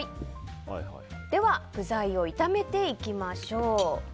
では具材を炒めていきましょう。